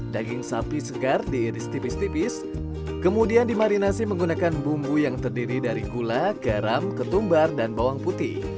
daging sapi segar diiris tipis tipis kemudian dimarinasi menggunakan bumbu yang terdiri dari gula garam ketumbar dan bawang putih